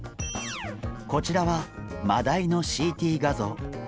こちらはマダイのＣＴ画像。